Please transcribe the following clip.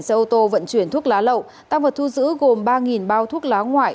xe ô tô vận chuyển thuốc lá lậu tăng vật thu giữ gồm ba bao thuốc lá ngoại